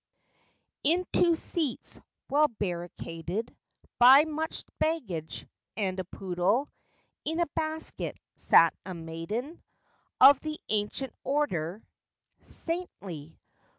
In two seats, well barricaded By much "baggage," and a poodle In a basket, sat a maiden Of the ancient order—saintly.